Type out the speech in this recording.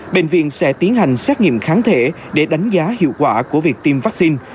bệnh viện sẽ tiến hành xét nghiệm kháng thể để đánh giá hiệu quả của việc tiêm vaccine